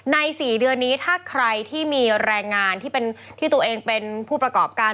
๔เดือนนี้ถ้าใครที่มีแรงงานที่เป็นที่ตัวเองเป็นผู้ประกอบการ